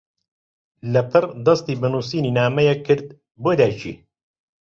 لەپڕ دەستی بە نووسینی نامەیەک کرد بۆ دایکی.